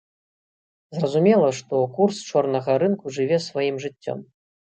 Зразумела, што курс чорнага рынку жыве сваім жыццём.